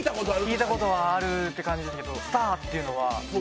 聴いたことはあるって感じですけどスターっていうのは。